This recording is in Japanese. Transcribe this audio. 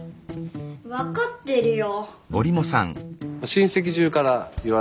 分かってるよ。